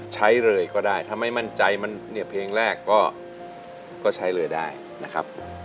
ใช้เลยก็ได้ถ้าไม่มั่นใจมันเนี่ยเพลงแรกก็ใช้เลยได้นะครับ